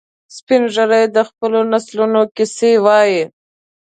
سپین ږیری د خپلو نسلونو کیسې وایي